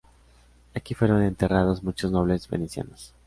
Aquí fueron enterrados muchos nobles venecianos.